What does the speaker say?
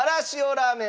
ラーメン